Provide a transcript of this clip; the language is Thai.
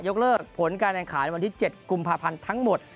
เลิกผลการแข่งขันวันที่๗กุมภาพันธ์ทั้งหมด